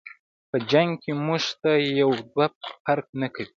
په جنګ کی مونږ ته یو دوه فرق نکوي.